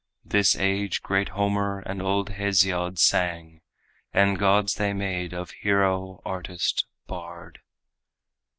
This age great Homer and old Hesiod sang, And gods they made of hero, artist, bard.